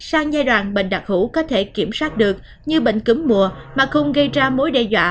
sang giai đoạn bệnh đặc hữu có thể kiểm soát được như bệnh cúm mùa mà không gây ra mối đe dọa